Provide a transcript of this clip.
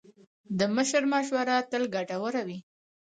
د مشر مشوره تل ګټوره وي.